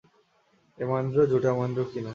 এ মহেন্দ্র ঝুঁটা মহেন্দ্র কি না!